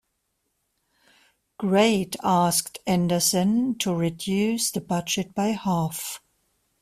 Grade asked Anderson to reduce the budget by half.